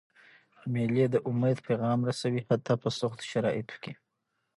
مېلې د امید پیغام رسوي، حتی په سختو شرایطو کي.